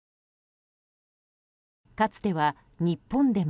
かつては、日本でも。